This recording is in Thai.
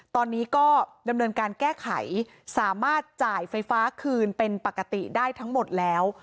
ตอนนี้ก็ดำเนินการแก้ไขสามารถจ่ายไฟฟ้าคืนเป็นปกติได้ทั้งหมดแล้ว